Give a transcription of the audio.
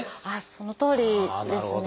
そのとおりですね。